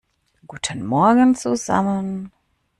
Guten Morgen zusammen!